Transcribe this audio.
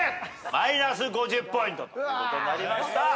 マイナス５０ポイントということになりました。